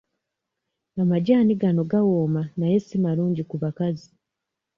Amajaani gano gawooma naye si malungi ku bakazi.